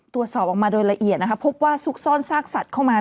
ตรวจสอบออกมาโดยละเอียดนะคะพบว่าซุกซ่อนซากสัตว์เข้ามา